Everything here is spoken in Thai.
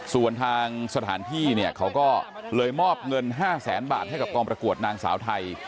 ส่วนทางสถานที่เนี่ยเขาก็เลยมอบเงิน๕แสนบาทให้กับกองประกวดนางสาวไทย